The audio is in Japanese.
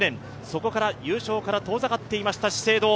そこから優勝から遠ざかっていました資生堂。